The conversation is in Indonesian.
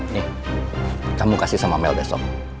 nih kamu kasih sama mel besok